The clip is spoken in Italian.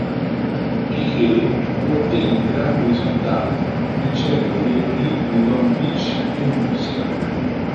Piquet ottiene grandi risultati, vincendo gli E-Prix di Long Beach e Mosca.